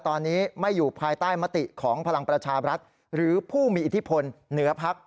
ตอนนี้ไม่อยู่ภายใต้มติของพลังประชาบรัฐหรือผู้มีอิทธิพลเหนือพัก